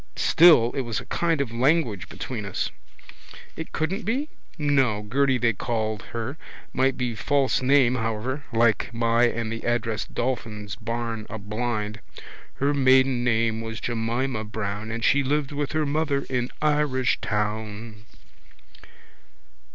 Still it was a kind of language between us. It couldn't be? No, Gerty they called her. Might be false name however like my name and the address Dolphin's barn a blind. Her maiden name was Jemina Brown And she lived with her mother in Irishtown.